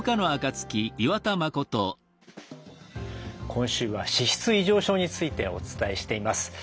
今週は「脂質異常症」についてお伝えしています。